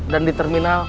dan di terminal